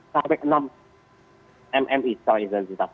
sampai enam mmi secara intensitas